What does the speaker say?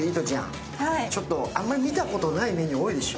あんまり見たことないメニュー、多いでしょ。